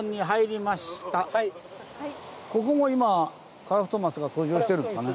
ここも今カラフトマスが遡上してるんですかね？